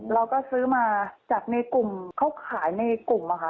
เราก็ซื้อมาจากในกลุ่มเขาขายในกลุ่มอะค่ะ